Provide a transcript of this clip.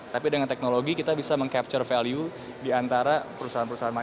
tapi dengan teknologi kita bisa meng capture value di antara perusahaan perusahaan